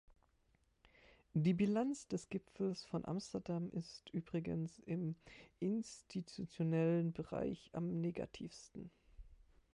Die Bilanz des Gipfels von Amsterdam ist übrigens im institutionellen Bereich am negativsten.